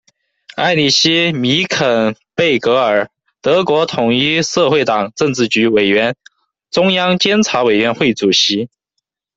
埃里希·米肯贝格尔，德国统一社会党政治局委员、中央监察委员会主席。